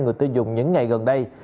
người tiêu dùng những ngày gần đây